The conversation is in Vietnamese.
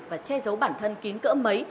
và che giấu bản thân kín cỡ mấy